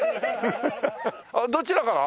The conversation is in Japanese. どちらから？